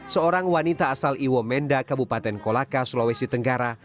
seorang wanita asal iwomenda kabupaten kolaka sulawesi tenggara